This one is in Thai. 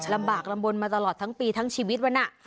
ลำบากลำบลมาตลอดทั้งปีทั้งชีวิตมัน